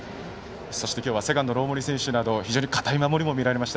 今日はセカンドの大森選手など堅い守りが見られました。